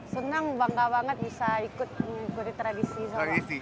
senang bangga banget bisa ikut mengikuti tradisi